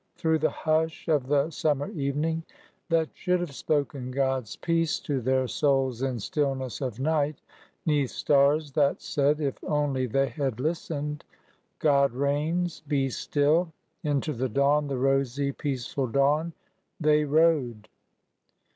Through the hush of the summer evening that should have spoken God's peace to their souls, in stillness of night, 'neath stars that said, if only they had listened, '' God reigns— be still !" into the dawn, the rosy, peaceful dawn, they rode.